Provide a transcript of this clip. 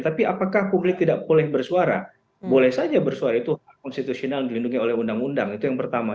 tapi apakah publik tidak boleh bersuara boleh saja bersuara itu hak konstitusional dilindungi oleh undang undang itu yang pertama